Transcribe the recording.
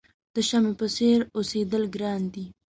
د شمعې په څېر اوسېدل ګران دي.